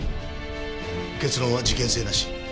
結論は事件性なし。